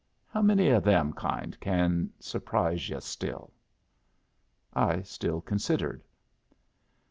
How many o' them kind can surprise yu' still?" I still considered.